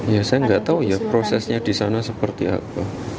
ya saya nggak tahu ya prosesnya di sana seperti apa